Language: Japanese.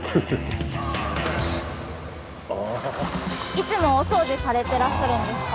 いつもお掃除されてらっしゃるんですか？